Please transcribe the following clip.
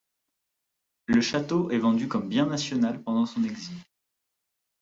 Le château est vendu comme Bien National pendant son exil.